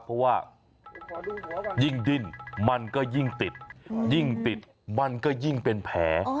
เพราะว่ายิ่งดิ้นมันก็ยิ่งติดยิ่งติดมันก็ยิ่งเป็นแผล